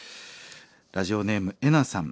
ラジオネームエナさん。